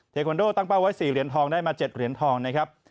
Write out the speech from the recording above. เทคอนโดตั้งเป้าไว้๔เหรียญทองได้มา๗เหรียญทองนะครับ